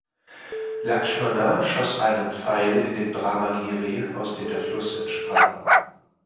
Lakshmana schoss einen Pfeil in den Brahmagiri, aus dem der Fluss entsprang.